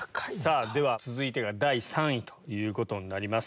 では続いてが第３位ということになります。